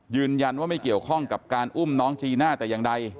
ยืนยันว่าไม่เกี่ยวข้องกับการอุ้มน้องจีน่าแต่อย่างใด